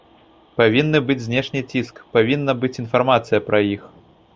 Павінны быць знешні ціск, павінна быць інфармацыя пра іх.